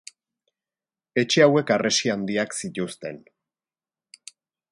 Etxe hauek harresi handiak zituzten.